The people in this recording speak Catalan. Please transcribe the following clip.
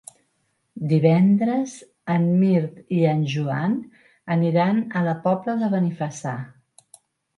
Divendres en Mirt i en Joan aniran a la Pobla de Benifassà.